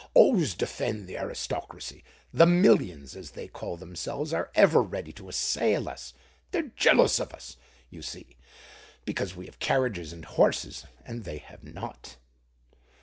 "Always defend the aristocracy! The millions, as they call themselves, are ever ready to assail us: they're jealous of us, you see—because we have carriages and horses, and they have not."